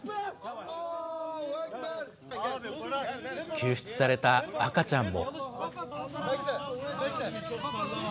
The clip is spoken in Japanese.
救出された赤ちゃんも。